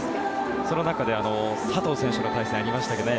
その中で佐藤選手の対戦がありましたよね。